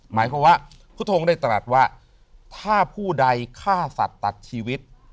หมายความว่าพุทธงได้ตรัสว่าถ้าผู้ใดฆ่าสัตว์ตัดชีวิต